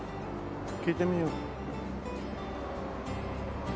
聞いてみよう。